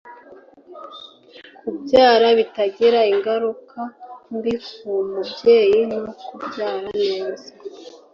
kubyara bitagira ingaruka mbi ku mubyeyi nu kubyara neza